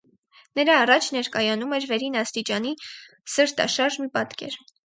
Նրա առաջ ներկայանում էր վերին աստիճանի սրտաշարժ մի պատկեր.